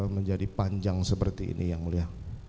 menjadi panjang seperti ini yang mulia